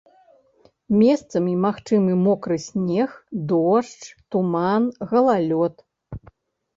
Месцамі магчымы мокры снег, дождж, туман, галалёд.